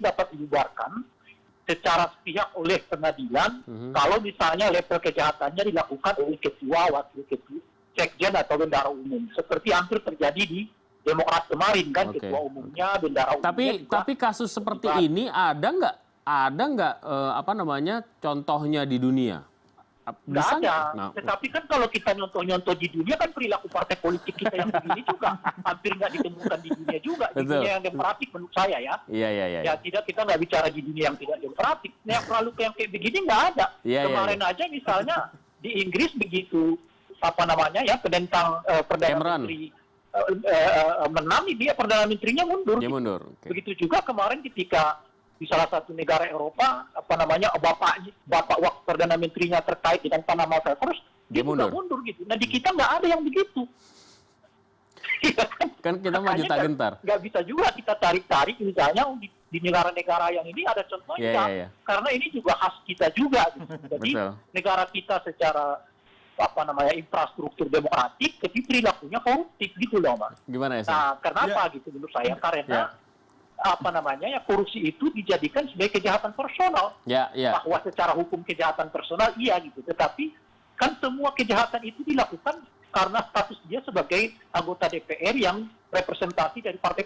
ya tentu ini silakan kita saat ini kalau masyarakat sangat wajar menghadir hadir partai